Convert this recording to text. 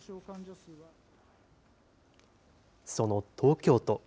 その東京都。